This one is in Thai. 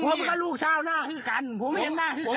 ผมกับลูกชาวหน้าคือกันผมเห็นหน้าคือกัน